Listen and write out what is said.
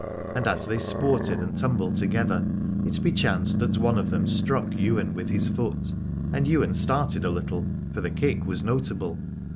And as they sported and tumbled together it bechanced that one of them struck Ywain with his foot : and Ywain started a little, for the kick was notable.